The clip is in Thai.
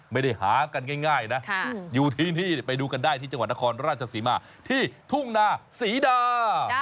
ไม่ได้หากันง่ายนะอยู่ที่นี่ไปดูกันได้ที่จังหวัดนครราชศรีมาที่ทุ่งนาศรีดา